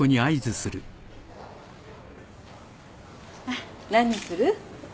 あっ何にする？